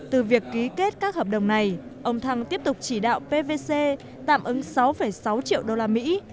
từ việc ký kết các hợp đồng này ông thăng tiếp tục chỉ đạo pvc tạm ứng sáu sáu triệu đô la mỹ